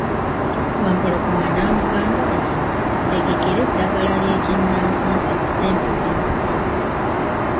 Wampologoma n'amugamba nti, ntegekera eddagala ly'ekinnansi nkakase nti oli musawo.